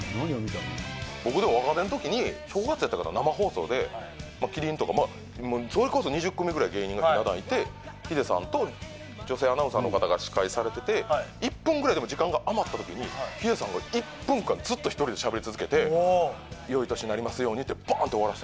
僕、若手のときに正月やったかな、生放送で、麒麟とか、それこそ２０組ぐらい芸人がひな壇いて、ヒデさんと女性アナウンサーの方が司会されてて、１分ぐらいでも時間が余ったときに、ヒデさんが１分間、ずっと１人でしゃべり続けて、よい年になりますようにって、すごい。